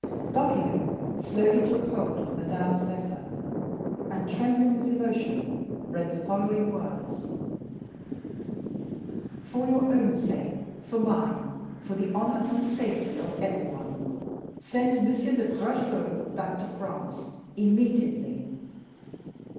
Buckingham slowly took hold of Madame's letter, and trembling with emotion, read the following words: "For your own sake, for mine, for the honor and safety of every one, send M. de Bragelonne back to France immediately.